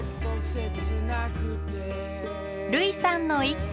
類さんの一句。